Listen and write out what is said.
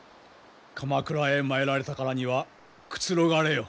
鎌倉へ参られたからにはくつろがれよ。